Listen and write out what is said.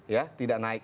ya tidak naik